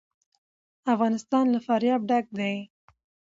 افغانستان له فاریاب ډک دی.